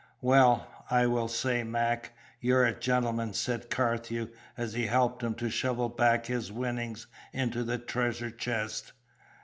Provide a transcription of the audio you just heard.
"Well, I will say, Mac, you're a gentleman," said Carthew, as he helped him to shovel back his winnings into the treasure chest.